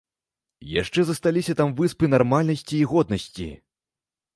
Яшчэ засталіся там выспы нармальнасці і годнасці.